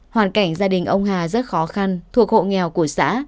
hoàn cảnh gia đình ông hà rất khó khăn thuộc hộ nghèo của xã